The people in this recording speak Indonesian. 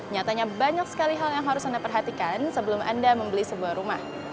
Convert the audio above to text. nyatanya banyak sekali hal yang harus anda perhatikan sebelum anda membeli sebuah rumah